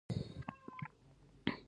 دغو دوستانو ډېرې لرې لارې وهلې دي.